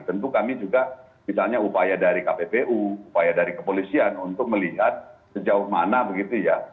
tentu kami juga misalnya upaya dari kppu upaya dari kepolisian untuk melihat sejauh mana begitu ya